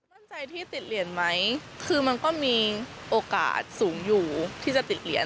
มั่นใจที่ติดเหรียญไหมคือมันก็มีโอกาสสูงอยู่ที่จะติดเหรียญ